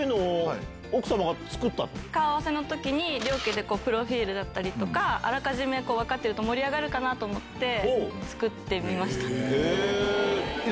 顔合わせの時に両家でプロフィルだったりあらかじめ分かってると盛り上がるかなと思って作ってみました。